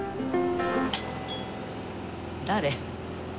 誰？